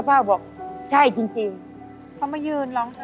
พ่อบอกใช่จริงเขามายืนร้องไห้